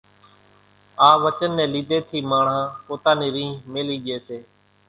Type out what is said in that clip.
آ وچن ني ليڌي ٿي ماڻۿان پوتا نِي ريۿ ميلِي ڄي سي،